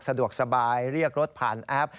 สะดวกสบายเรียกรถผ่านแอป